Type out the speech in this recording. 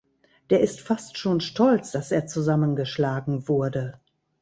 Der ist fast schon stolz, dass er zusammengeschlagen wurde.